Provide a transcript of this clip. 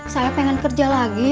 saya pengen kerja lagi